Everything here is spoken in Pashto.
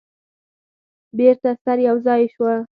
بیرته سره یو ځای شوه.